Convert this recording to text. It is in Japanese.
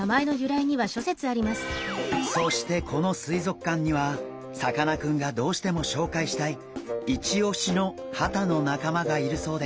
そしてこの水族館にはさかなクンがどうしてもしょうかいしたいイチオシのハタの仲間がいるそうです。